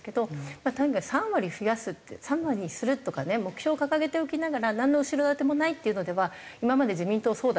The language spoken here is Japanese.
まあ３割増やすって３割にするとかね目標を掲げておきながらなんの後ろ盾もないっていうのでは今まで自民党そうだったので。